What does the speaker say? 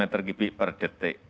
ini adalah bendungan yang kita pilih